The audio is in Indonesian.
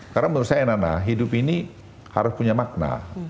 karena menurut saya nana hidup ini harus punya makna